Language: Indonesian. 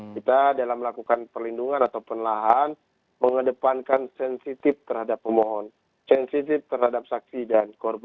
kita dalam melakukan perlindungan atau penelahan mengedepankan sensitif terhadap pemohon sensitif terhadap saksi dan korban